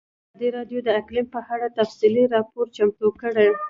ازادي راډیو د اقلیم په اړه تفصیلي راپور چمتو کړی.